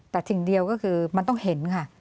แต่สิ่งเดียวก็คือมันต้องเห็นค่ะ